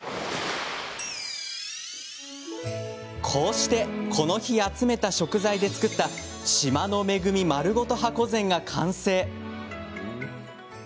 こうしてこの日、集めた食材で作った島の恵みまるごと箱膳が完成。